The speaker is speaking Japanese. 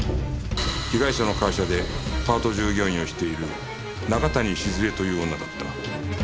被害者の会社でパート従業員をしている中谷静江という女だった